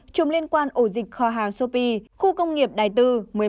ba chùm liên quan ổ dịch kho hàng sopi khu công nghiệp đài tư một mươi một